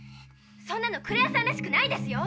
そんなのクレアさんらしくないですよ。